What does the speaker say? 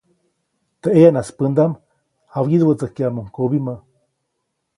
Teʼ ʼeyanas pändaʼm jawyiduʼwätsäjkyaʼmuŋ kubimä.